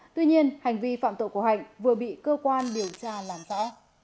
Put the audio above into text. tuy nhiên hành vi phạm tội của hạnh vừa bị cơ quan điều tra làm rõ